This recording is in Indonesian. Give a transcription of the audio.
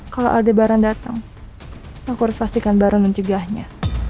kalau aldebaran datang aku harus pastikan baron mencegahnya